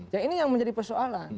ya ini yang menjadi persoalan